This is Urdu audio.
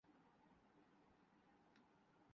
دوسرے لوگوں سے فاصلہ رکھتا ہوں